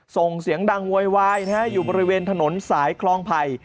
ส่งเสียงดังโวยวายอยู่บริเวณถนนสายคลองไผ่